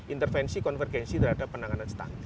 intervensi konvergensi terhadap penanganan stunting